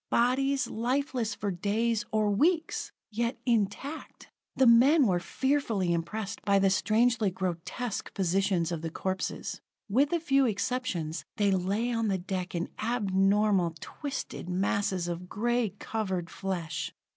Bodies, lifeless for days, or weeks yet intact! The men were fearfully impressed by the strangely grotesque positions of the corpses. With a few exceptions, they lay on the deck in abnormal, twisted masses of gray covered flesh.